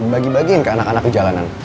bagi bagiin ke anak anak di jalanan